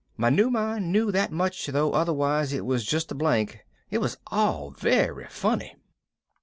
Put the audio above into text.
My new mind knew that much though otherwise it was just a blank. It was all very funny."